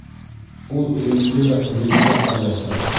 Ул өйөмдө лә, үҙемде лә ҡараясаҡ!